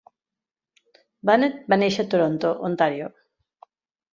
Bunnett va néixer a Toronto, Ontario.